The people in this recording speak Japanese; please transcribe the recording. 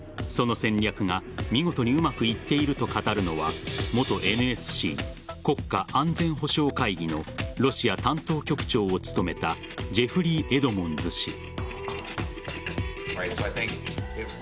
その戦略が、見事にうまくいっていると語るのは元ＮＳＣ＝国家安全保障会議のロシア担当局長を務めたジェフリー・エドモンズ氏。